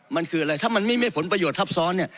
มันคืออะไรถ้ามันไม่มีผลประโยชน์ทับซ้อนเนี่ย